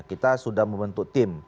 kita sudah membentuk tim